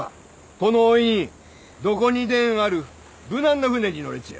このおいにどこにでんある無難な船に乗れちゃ？